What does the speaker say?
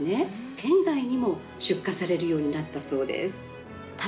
県外にも出荷されるようになったそうです。